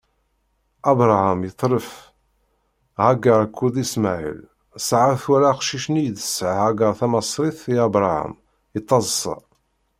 Abṛaham itlef, Hagaṛ akked Ismaɛil, Ṣara twala aqcic-nni i d-tesɛa Hagaṛ tamaṣrit i Abṛaham, ittaḍṣa.